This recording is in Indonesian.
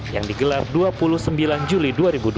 yang digelar dua puluh sembilan juli dua ribu dua puluh